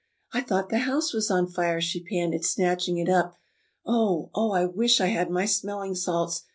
"] "I thought the house was on fire," she panted, snatching it up. "Oh, oh, I wish I had my smelling salts!